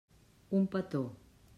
Un petó.